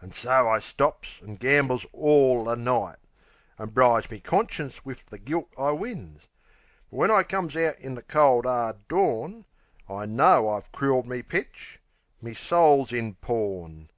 An' so I stops an' gambles orl the night; An' bribes me conscience wiv the gilt I wins. But when I comes out in the cold, 'ard dawn I know I've crooled me pitch; me soul's in pawn.